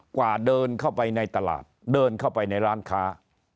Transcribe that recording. กว่าเดินเข้าไปในตลาดเดินเข้าไปในร้านค้า